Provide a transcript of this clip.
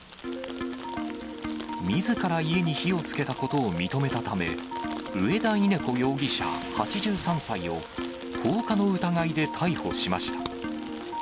みずから家に火をつけたことを認めたため、上田イネ子容疑者８３歳を放火の疑いで逮捕しました。